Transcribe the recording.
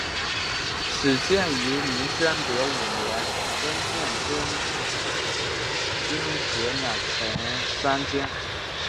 始建于明宣德五年增建尊经阁两层三间。